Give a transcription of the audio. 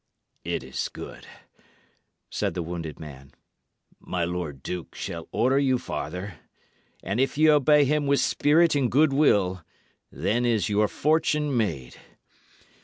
"It is good," said the wounded man. "My lord duke shall order you farther, and if ye obey him with spirit and good will, then is your fortune made.